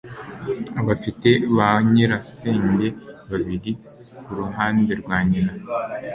Afite ba nyirasenge babiri kuruhande rwa nyina.